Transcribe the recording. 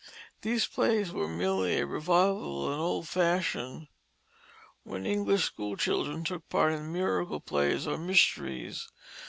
These plays were merely a revival of an old fashion when English school children took part in miracle plays or mysteries.